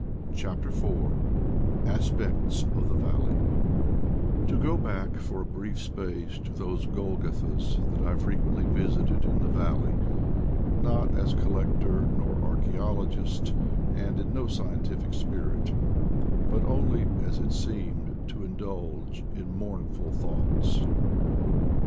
CHAPTER IV ASPECTS OF THE VALLEY TO go back for a brief space to those Golgottas that I frequently visited in the valley, not as collector nor archaeologist, and in no scientific spirit, but only, as it seemed, to indulge in mourn ful thoughts.